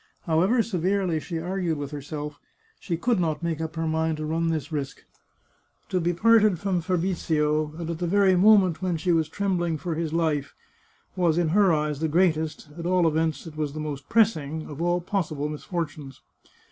However severely she argued with herself, she could not make up her mind to run this risk. To be parted from Fabrizio, and at the very mo ment when she was trembling for his life, was, in her eyes, the greatest — at all events, it was the most pressing — of all possible misfortunes.